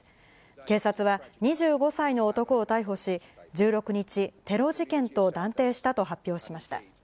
警察は、２５歳の男を逮捕し、１６日、テロ事件と断定したと発表しました。